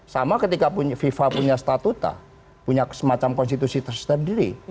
sama ketika fifa punya statuta punya semacam konstitusi tersendiri